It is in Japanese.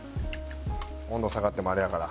温度下がってもあれやから。